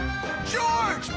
ジョージ！